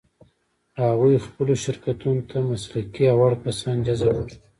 هغوی خپلو شرکتونو ته مسلکي او وړ کسان جذب کړل.